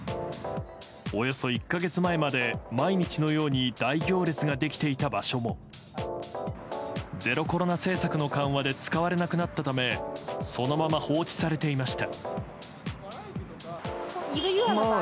およそ１か月前まで毎日のように大行列ができていた場所もゼロコロナ政策の緩和で使われなくなったためそのまま放置されていました。